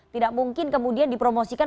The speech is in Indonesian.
tidak mungkin kemudian dipromosikan